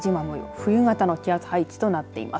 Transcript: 冬型の気圧配置となっています。